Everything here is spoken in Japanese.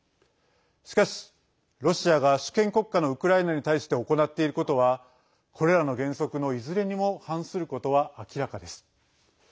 しかし、ロシアが主権国家のウクライナに対して行っていることはこれらの原則の、いずれにも反することは明らかです。